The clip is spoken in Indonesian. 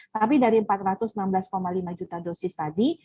tapi dari empat ratus enam belas lima juta dosis tadi